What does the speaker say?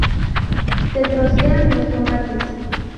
Se trocean los tomates.